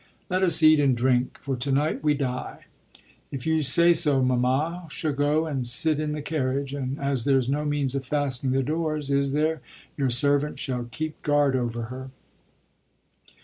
Let us eat and drink, for to night we die. If you say so mamma shall go and sit in the carriage, and as there's no means of fastening the doors (is there?) your servant shall keep guard over her."